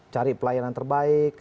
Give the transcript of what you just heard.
cari pelayanan terbaik